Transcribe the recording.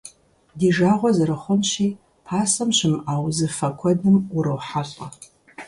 Ди жагъуэ зэрыхъунщи, пасэм щымыӀа узыфэ куэдым урохьэлӀэ.